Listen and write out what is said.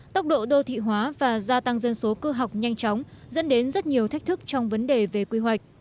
tốc độ đô thị hóa và gia tăng dân số cư học nhanh chóng dẫn đến rất nhiều thách thức trong vấn đề về quy hoạch